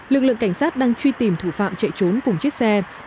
lực lượng cảnh sát đang truy tìm thủ phạm chạy trốn cùng chiếc xe